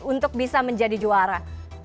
untuk bisa menjadi juara